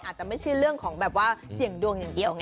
อาจจะไม่ใช่เรื่องของเสี่ยงดวงอย่างเดียว